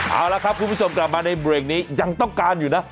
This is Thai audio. เอาละครับคุณผู้ชมกลับมาในเบรกนี้ยังต้องการอยู่นะ